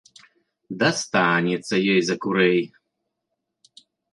Дастанецца ёй за курэй!